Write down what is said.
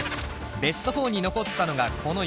ベスト４に残ったのがこの４人。